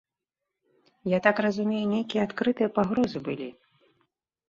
Я так разумею, нейкія адкрытыя пагрозы былі.